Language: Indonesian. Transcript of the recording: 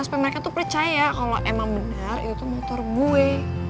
supaya mereka tuh percaya kalau emang benar itu motor gue